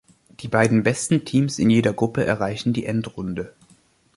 Die beiden besten Teams in jeder Gruppe erreichten die Endrunde.